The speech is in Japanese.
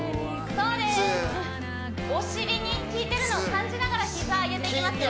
そうですお尻にきいてるの感じながら膝上げていきますよ